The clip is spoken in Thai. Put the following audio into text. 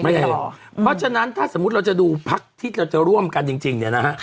เพราะฉะนั้นถ้าสมมุติเราจะดูพักที่เราจะร่วมกันจริงเนี่ยนะฮะ